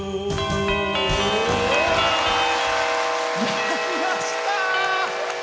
鳴りました！